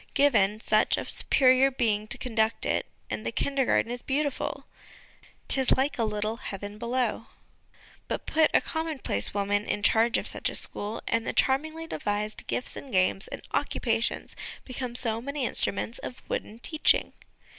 Given, such a superior being to conduct it, and the Kindergarten is beautiful ''tis like a little heaven below '; but put a commonplace woman in charge of such a school, and the charmingly devised gifts and games and occupations become so many instruments of wooden teaching.